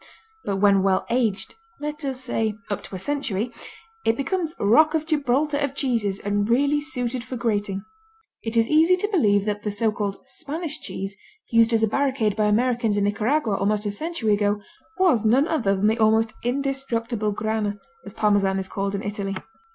But when well aged, let us say up to a century, it becomes Rock of Gibraltar of cheeses and really suited for grating. It is easy to believe that the so called "Spanish cheese" used as a barricade by Americans in Nicaragua almost a century ago was none other than the almost indestructible Grana, as Parmesan is called in Italy.